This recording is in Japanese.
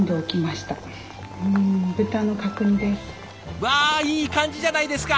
うわいい感じじゃないですか。